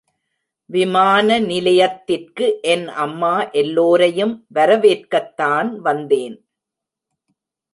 விமான நிலையத்திற்கு என் அம்மா எல்லோரையும் வரவேற்கத்தான் வந்தேன்.